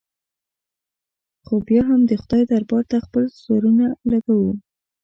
خو بیا هم د خدای دربار ته خپل سرونه لږوو.